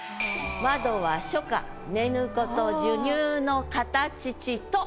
「窓は初夏寝ぬ子と授乳の片乳と」。